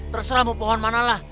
terserah mau pohon manalah